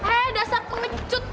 eh dasar pengecut